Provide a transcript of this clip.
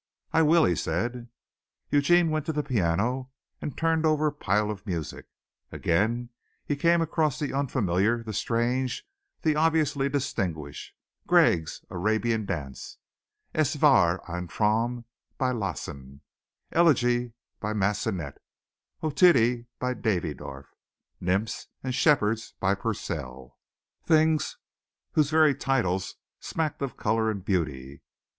"I will," he said. Eugene went to the piano and turned over a pile of music. Again he came across the unfamiliar, the strange, the obviously distinguished Grieg's "Arabian Dance"; "Es war ein Traum" by Lassen; "Elegie" by Massenet; "Otidi" by Davydoff; "Nymphs and Shepherds" by Purcell things whose very titles smacked of color and beauty.